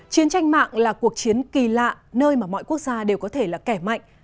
chiến tranh mạng là cuộc chiến kỳ lạ nơi mà mọi quốc gia đều có thể là kẻ mạnh